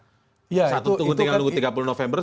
satu tunggu tiga puluh november